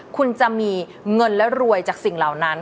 คุณจะมีเงินและรวยจากสิ่งเหล่านั้น